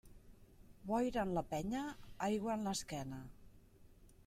Boira en la penya, aigua en l'esquena.